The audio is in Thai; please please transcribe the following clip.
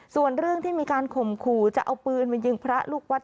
ส่วนเรื่องที่มีการข่มขู่จะเอาปืนมายิงพระลูกวัด